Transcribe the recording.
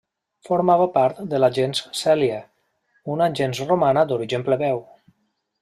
Formava part de la gens Cèlia, una gens romana d'origen plebeu.